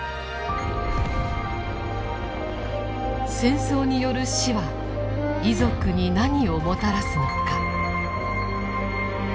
「戦争による死」は遺族に何をもたらすのか。